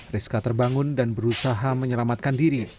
rizka terbangun dan berusaha menyelamatkan diri